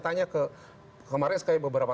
tanya ke kemarin sekali beberapa